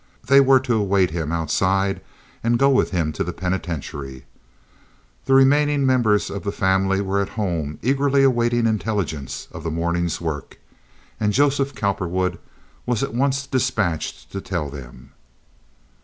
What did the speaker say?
They were to await him outside and go with him to the penitentiary. The remaining members of the family were at home eagerly awaiting intelligence of the morning's work, and Joseph Cowperwood was at once despatched to tell them.